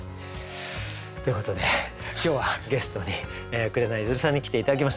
ということで今日はゲストに紅ゆずるさんに来て頂きました。